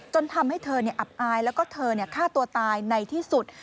ทำให้เธออับอายแล้วก็เธอฆ่าตัวตายในที่สุด